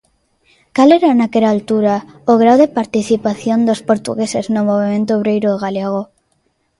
Cal era, naquela altura, o grao de participación dos portugueses no movemento obreiro galego?